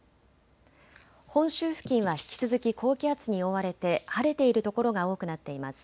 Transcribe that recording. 本州付近は引き続き高気圧に覆われて晴れている所が多くなっています。